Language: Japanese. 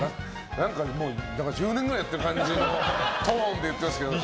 もう１０年くらいやってる感じのトーンで言っていますけど。